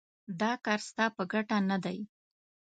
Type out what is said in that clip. دا کار ستا په ګټه نه دی.